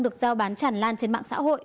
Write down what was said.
được giao bán chẳng lan trên mạng xã hội